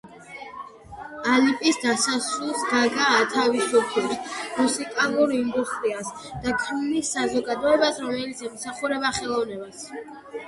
კლიპის დასასრულს გაგა ათავისუფლებს მუსიკალურ ინდუსტრიას და ქმნის საზოგადოებას, რომელიც ემსახურება ხელოვნებას.